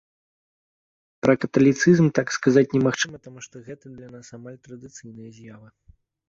Пра каталіцызм так сказаць немагчыма, таму што гэта для нас амаль традыцыйная з'ява.